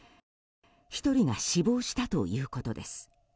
１人が死亡したということです。